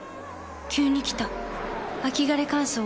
急に来た秋枯れ乾燥。